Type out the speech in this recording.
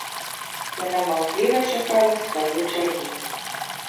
Яна маўкліва чакала свае чаргі.